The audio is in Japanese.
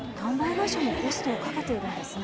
もコストをかけているんですね。